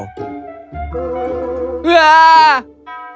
ketahuilah ini sampai akhir zaman